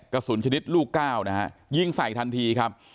กระสุนชนิดลูกเก้ายิงใส่ทันทีครับ